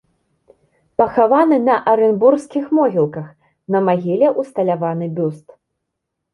Пахаваны на арэнбургскіх могілках, на магіле ўсталяваны бюст.